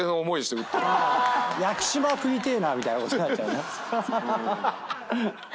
「焼き島食いてえな」みたいなことになっちゃうね。